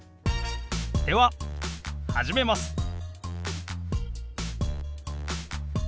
では始めます！